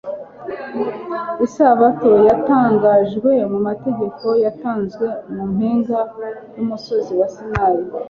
Isabato yatangajwe mu mategeko yatanzwe mu mpinga y’umusozi wa Sinai,